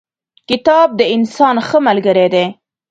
کتاب د انسان ښه ملګری دی.